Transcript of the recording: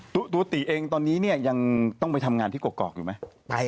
ตุ๊ะตีติตอนนี้ต้องไปทำงานที่กอกอยู่ไหม